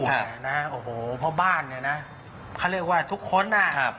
โอ้โฮพอบ้านเขาเรียกว่าทุกคนน่ะ